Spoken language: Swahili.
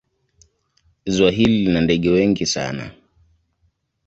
Ziwa hili lina ndege wengi sana.